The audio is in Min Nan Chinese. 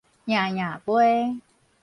颺颺飛